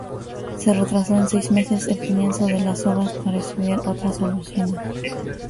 Se retrasó en seis meses el comienzo de las obras para estudiar otras soluciones.